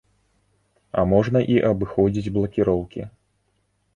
А можна і абыходзіць блакіроўкі.